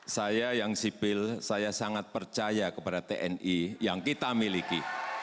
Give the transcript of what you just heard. saya yang sipil saya sangat percaya kepada tni yang kita miliki